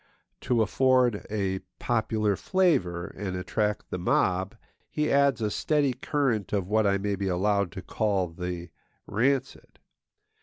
To afford a popular flavour and attract the mob, he adds a steady current of what I may be allowed to call the rancid.